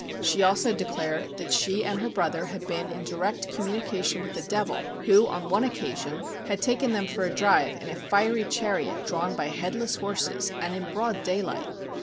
She also declared that she and her brother had been in direct communication with the Devil, who on one THE STRANGE STORY OF MAJOR WEIR 7 occasion had taken them for a drive in a fiery chariot drawn by headless horses and in broad daylight.